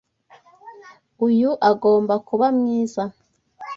Uyu agomba kuba mwiza.